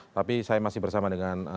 tapi saya masih bersama dengan